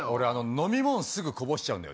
飲み物すぐこぼしちゃうんだよ。